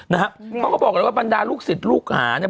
นะฮะเขาก็บอกกันแล้วว่าปัญดาลูกศิษย์ลูกหาเนี่ย